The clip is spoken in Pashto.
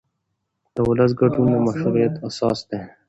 د ولس ګډون د مشروعیت اساس دی